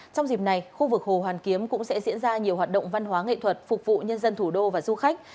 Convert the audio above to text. trong dịp này khu vực hồ hoàn kiếm cũng sẽ diễn ra nhiều hoạt động văn hóa nghệ thuật phục vụ nhân dân thủ đô và du khách